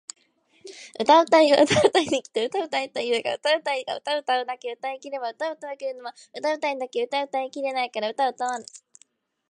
歌うたいが歌うたいに来て歌うたえと言うが歌うたいが歌うたうだけうたい切れば歌うたうけれども歌うたいだけ歌うたい切れないから歌うたわぬ！？